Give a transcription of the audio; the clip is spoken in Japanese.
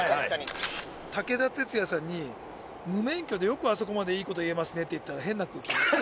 「武田鉄矢さんに無免許でよくあそこまでいいこと言えますねと言ったら変な空気になった」